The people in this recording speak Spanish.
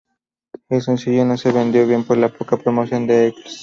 El sencillo no se vendió bien por la poca promoción de Eccles.